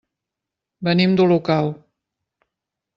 Venim d'Olocau.